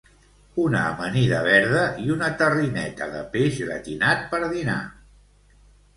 Una amanida verda i una tarrineta de peix gratinat per dinar